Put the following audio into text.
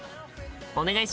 お願いします。